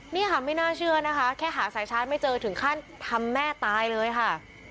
นี่ค่ะไม่น่าเชื่อนะคะแค่หาสายชาร์จไม่เจอถึงขั้นทำแม่ตายเลยค่ะ